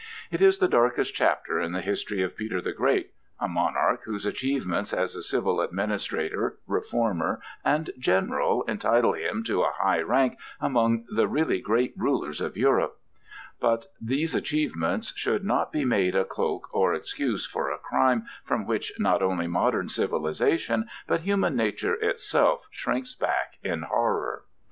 It is the darkest chapter in the history of Peter the Great, a monarch whose achievements as a civil administrator, reformer, and general entitle him to a high rank among the really great rulers of Europe; but these achievements should not be made a cloak or excuse for a crime from which not only modern civilization, but human nature itself, shrinks back in horror.